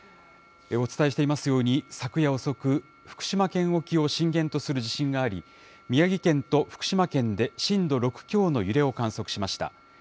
お伝えしていますように、昨夜遅く、福島県沖を震源とする地震があり、宮城県と福島県で震度６強の揺れを観測しました。